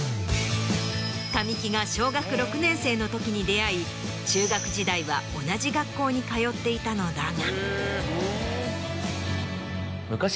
神木が小学６年生の時に出会い中学時代は同じ学校に通っていたのだが。